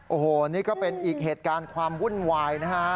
โอ้โหนี่ก็เป็นอีกเหตุการณ์ความวุ่นวายนะฮะ